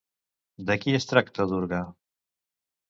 De qui es tracta Durga?